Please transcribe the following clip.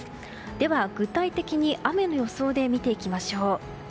では、具体的に雨の予想で見ていきましょう。